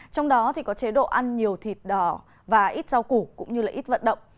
trong đó thì có chế độ ăn nhiều thịt đỏ và ít rau củ cũng như ít vận động